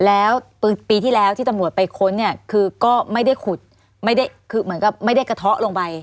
แล้วปีที่แล้วที่ตำรวจไปค้นเนี่ยคือก็ไม่ได้ขุดไม่ได้คือเหมือนกับไม่ได้กระเทาะลงไป